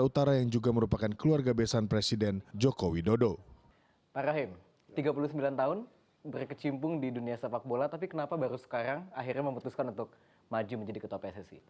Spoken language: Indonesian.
tapi kenapa baru sekarang akhirnya memutuskan untuk maju menjadi ketua pssi